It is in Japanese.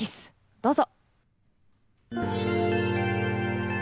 どうぞ。